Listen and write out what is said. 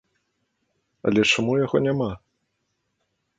Але чаму яго няма?